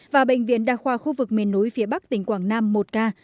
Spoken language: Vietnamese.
và bệnh viện đa khoa khu vực miền núi phía bắc tp hcm một ca